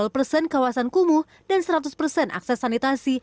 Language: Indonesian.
persen kawasan kumuh dan seratus persen akses sanitasi